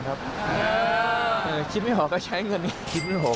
คิดไม่ห่อก็จะใช้เงินอย่างนี้